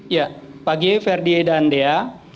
ya pagi ferdie dan dea